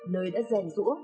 nơi đã dành rũa